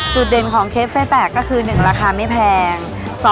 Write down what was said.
จุดเด่นของเคฟไส้แตกก็คือ๑ราคาไม่แพง